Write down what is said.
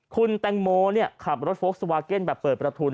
คุณแตงโมขับรถโฟล์สวาเก็นแบบเปิดประทุน